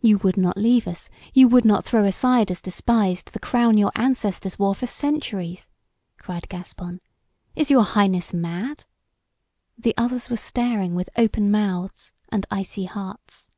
"You would not leave us you would not throw aside as despised the crown your ancestors wore for centuries?" cried Gaspon. "Is your Royal Highness mad?" The others were staring with open mouths and icy hearts.